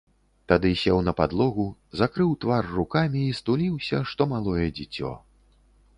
Тады сеў на падлогу, закрыў твар рукамі і стуліўся, што малое дзіцё.